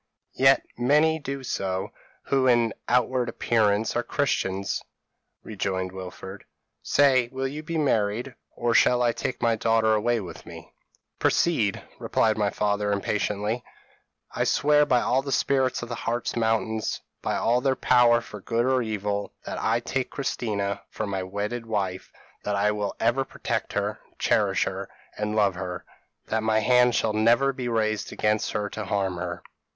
p> "'Yet many do so, who in outward appearance are Christians,' rejoined Wilfred; 'say, will you be married, or shall I take my daughter away with me?' "'Proceed,' replied my father, impatiently. "'I swear by all the spirits of the Hartz mountains, by all their power for good or for evil, that I take Christina for my wedded wife; that I will ever protect her, cherish her, and love her; that my hand shall never be raised against her to harm her.'